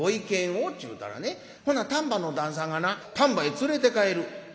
ちゅうたらねほな丹波の旦さんがな『丹波へ連れて帰る』」。